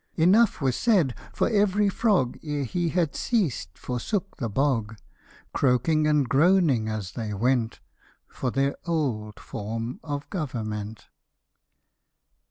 Enough was said, for every frog, Ere he had ceased, forsook the bog ; Croaking and groaning, as they went, For their old form of government.